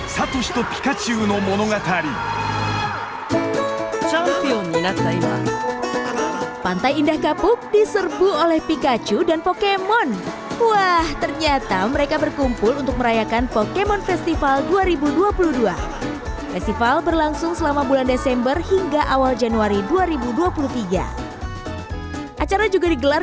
satoshi dan pikachu